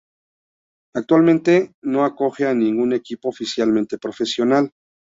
Actualmente no acoge a ningún equipo oficialmente profesional.